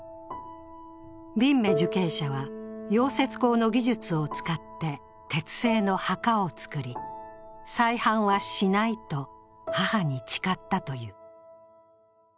ビンメ受刑者は溶接工の技術を使って鉄製の墓を造り、再犯はしないと母に誓ったという。